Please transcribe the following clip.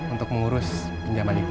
untuk mengurus pinjaman ibu